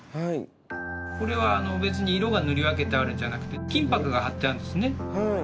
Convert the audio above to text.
これは別に色が塗り分けてあるんじゃなくて金ぱくが貼ってあるんですね。